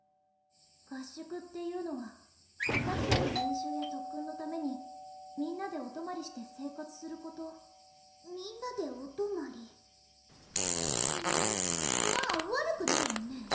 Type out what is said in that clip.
合宿っていうのは部活動の練習や特訓のためにみんなでおとまりして生活することみんなでおとまりふんまぁ悪くないわね